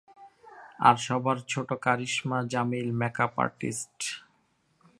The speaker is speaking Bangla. আর সবার ছোট কারিশমা জামিল মেকআপ আর্টিস্ট।